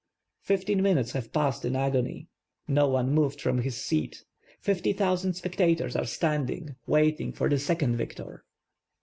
Fifteen minutes have passed in agon,v. No one moved from his seat. Fifty thousand spectators are standing waiting for the second victor.